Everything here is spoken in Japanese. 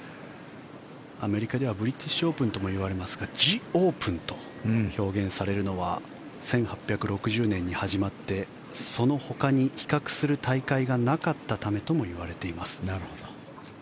アメリカではブリティッシュオープンとも言われますがジ・オープンと表現されるのは１８６０年に始まってそのほかに比較する大会がなかったためともいわれています。